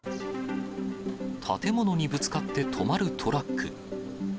建物にぶつかって止まるトラック。